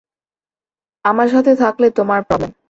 আমার সাথে থাকলে তোমার প্রবলেম।